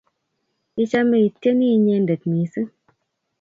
Ichome ii tyeni inyendet missing'.